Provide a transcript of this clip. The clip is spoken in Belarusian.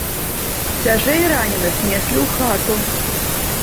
Цяжэй раненых неслі ў хату.